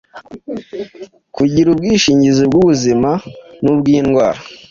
kugira ubwishingizi bw’ubuzima n’ubw’indwara;